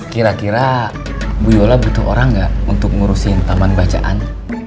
kira kira bu yola butuh orang nggak untuk ngurusin taman bacaan